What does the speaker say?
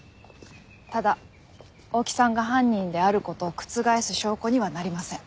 ただ大木さんが犯人である事を覆す証拠にはなりません。